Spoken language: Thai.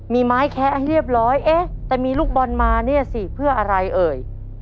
มีไม้แคะให้เรียบร้อยเอ๊ะแต่มีลูกบอลมาเนี่ยสิเพื่ออะไรเอ่ย